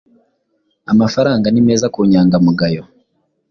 Amafaranga ni meza kunyangamugayo